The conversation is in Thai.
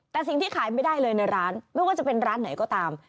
แต่สิ่งที่ขายไม่ได้เลยในร้านไม่ว่าจะเป็นร้านไหนก็ตาม